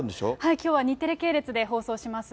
きょうは日テレ系列で放送します。